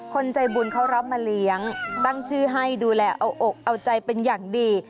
คนใจบุญเขารับมาเลี้ยงตั้งชื่อให้ดูแลเอาอกเอาใจเป็นอย่างดี